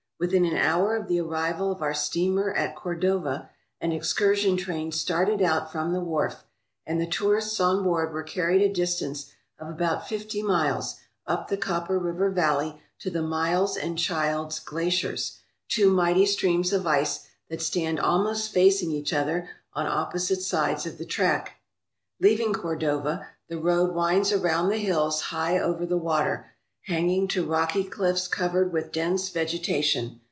Within an hour of the arrival of our steamer at Cordova an excursion train started out from the wharf, and the tourists on board were carried a distance of about fifty miles up the Copper River Valley to the Miles and Childs glaciers, two mighty streams of ice that stand almost facing each other on opposite sides of the track. Leaving Cordova, the road winds around the hills high over the water, hanging to rocky cliffs covered with dense vegetation.